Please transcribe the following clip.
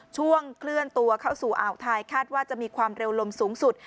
ช่วงเคลื่อนตัวเข้าสู่อ่าวไทยคาดว่าจะมีความเร็วลมสูงสุด